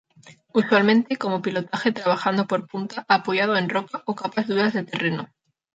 Usualmente como pilotaje trabajando por punta, apoyado en roca o capas duras de terreno.